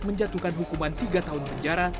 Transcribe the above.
menjatuhkan hukuman tiga tahun penjara